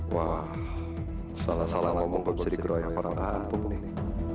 wah salah salah ngomong pak bersih geroyah para paham punggung ini